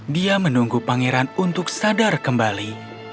dia menunggu pangeran untuk sadar kembali